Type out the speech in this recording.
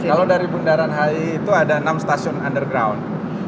kalau dari bundaran hi itu ada enam stasiun underground